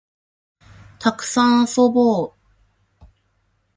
たくさん遊ぼう